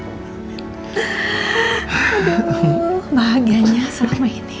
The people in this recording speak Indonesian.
aduh bahagianya selama ini